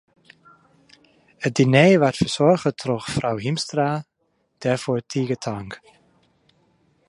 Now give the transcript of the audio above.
It diner waard fersoarge troch frou Hiemstra, dêrfoar tige tank.